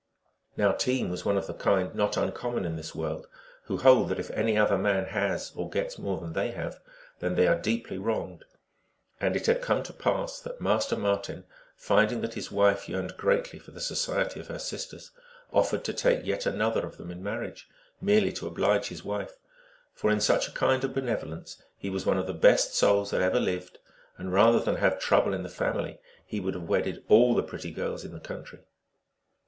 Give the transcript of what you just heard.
Now Team was one of the kind not uncommon in this world, who hold that if any other man has or gets more than they have, then they are deeply wronged. And it had come to pass that Master Marten, finding that his wife yearned greatly for the society of her sisters, offered to take yet another of them in mar riage, merely to oblige his wife ; for in such a kind of benevolence he was one of the best souls that ever 144 THE ALGONQUIN LEGENDS. lived, and rather than have trouble in the family he would have wedded all the pretty girls in the coun try.